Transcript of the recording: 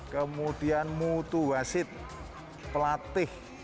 kemudian mutu wasit pelatih